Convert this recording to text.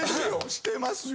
してますよ。